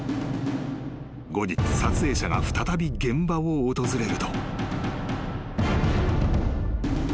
後日撮影者が再び現場を訪れると］